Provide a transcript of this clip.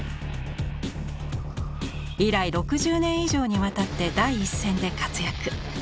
以来６０年以上にわたって第一線で活躍。